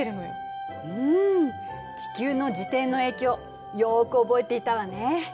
うん地球の自転の影響よく覚えていたわね。